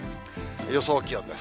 予想気温です。